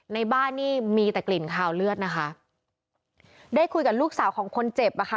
ในบ้านนี่มีแต่กลิ่นคาวเลือดนะคะได้คุยกับลูกสาวของคนเจ็บอ่ะค่ะ